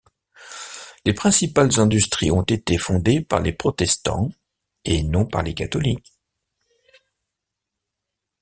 Les principales industries ont été fondées par les protestants et non par les catholiques.